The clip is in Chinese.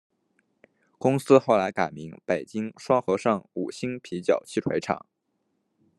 公司后来改名北京双合盛五星啤酒汽水厂。